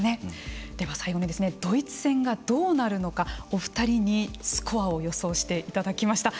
では最後にドイツ戦がどうなるのかお二人にスコアを予想していただきました。